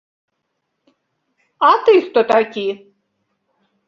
А ты хто такі?